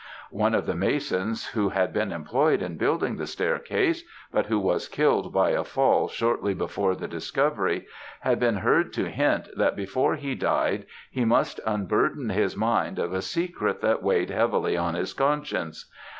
One of the masons who had been employed in building the staircase, but who was killed by a fall shortly before the discovery, had been heard to hint that before he died he must unburden his mind of a secret that weighed heavily on his conscience.